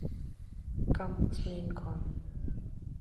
Campus Lincoln.